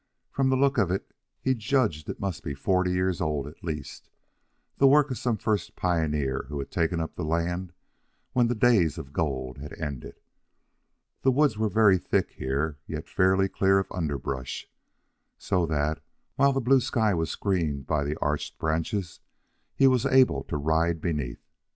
From the look of it he judged it must be forty years old at least the work of some first pioneer who had taken up the land when the days of gold had ended. The woods were very thick here, yet fairly clear of underbrush, so that, while the blue sky was screened by the arched branches, he was able to ride beneath.